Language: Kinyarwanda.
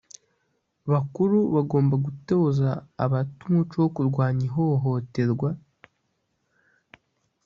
bakuru bagomba gutoza abato umuco wo kurwanya ihohoterwa.